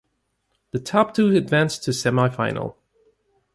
The top two advanced to semifinal.